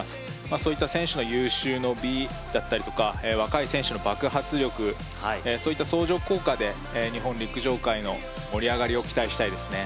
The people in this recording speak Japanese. そういった選手の有終の美だったりとか若い選手の爆発力そういった相乗効果で日本陸上界の盛り上がりを期待したいですね